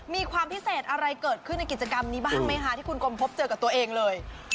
มีความพิเศษอะไรเกิดขึ้นในกิจกรรมนี้บ้างไหมคะที่คุณกรมพบเจอกับตัวเองเลย